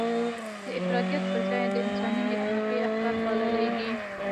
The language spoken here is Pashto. د افراطيت پر ځای د انساني نېکمرغۍ افکار پاللي دي.